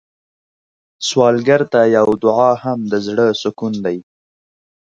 سوالګر ته یو دعا هم د زړه سکون دی